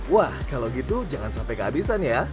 wah kalau gitu jangan sampai kehabisan ya